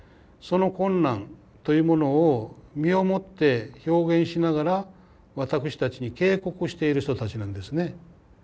その困難というものを身をもって表現しながら私たちに警告している人たちなんですね。